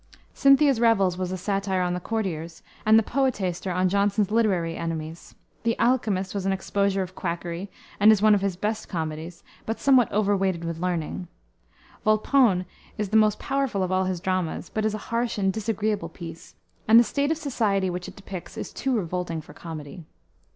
Cynthia's Revels was a satire on the courtiers and the Poetaster on Jonson's literary enemies. The Alchemist was an exposure of quackery, and is one of his best comedies, but somewhat overweighted with learning. Volpone is the most powerful of all his dramas, but is a harsh and disagreeable piece; and the state of society which it depicts is too revolting for comedy.